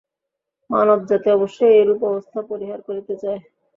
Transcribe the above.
মানবজাতি অবশ্যই এইরূপ অবস্থা পরিহার করিতে চায়।